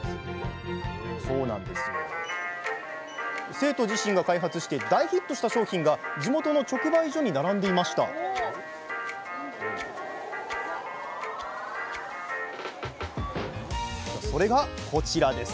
生徒自身が開発して大ヒットした商品が地元の直売所に並んでいましたそれがこちらです。